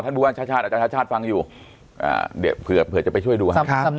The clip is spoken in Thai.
คุณพูดว่าชาชาสะอาจารย์ทชาติฟังอยู่เผื่อจะไปช่วยดูครับ